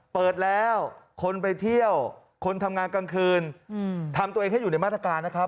เปิดแล้วคนไปเที่ยวคนทำงานกลางคืนทำตัวเองให้อยู่ในมาตรการนะครับ